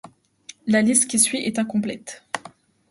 La liste qui suit est incomplète.